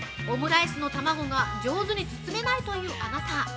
オムライスの卵が上手に包めないというアナタ！